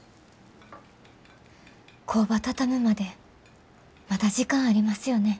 工場畳むまでまだ時間ありますよね？